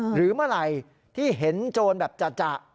หรือเมื่อไหร่ที่เห็นโจรแบบจะ